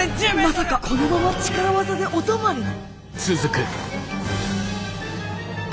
まさかこのまま力技でお泊まりに。